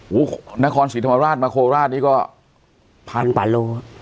โอ้โหนครศรีธรรมราชมาโคลราชนี้ก็